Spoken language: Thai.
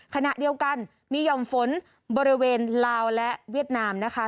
ขณะเดียวกันมีหย่อมฝนบริเวณลาวและเวียดนามนะคะ